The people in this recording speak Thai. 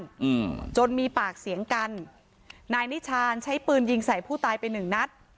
อืมจนมีปากเสียงกันนายนิชานใช้ปืนยิงใส่ผู้ตายไปหนึ่งนัด